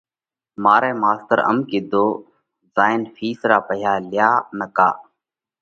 مارئہ ماستر ام ڪِيڌوه: زون فِيس را پئِيها ليايا نڪا